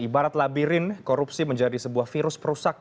ibarat labirin korupsi menjadi sebuah virus perusak